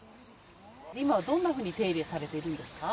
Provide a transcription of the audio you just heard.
今、どんなふうに手入れされてるんですか。